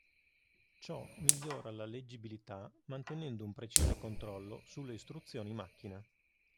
Ciò migliora la leggibilità mantenendo un preciso controllo sulle istruzioni macchina.